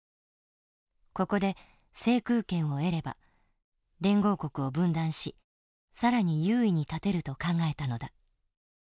ここで制空権を得れば連合国を分断し更に優位に立てると考えたのだ。